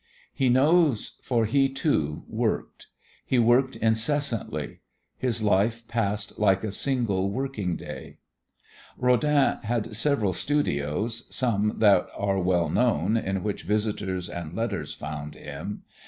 He knows, for he, too, worked; he worked incessantly; his life passed like a single working day. Rodin had several studios, some that are well known in which visitors and letters found him.